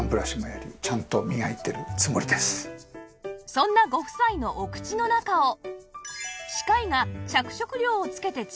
そんなご夫妻のお口の中を歯科医が着色料を付けてチェック